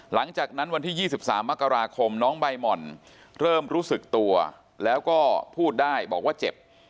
หลังจากนั้นวันที่๒๓มกราคมน้องใบหม่อนเริ่มรู้สึกตัวแล้วก็พูดได้บอกว่าเจ็บ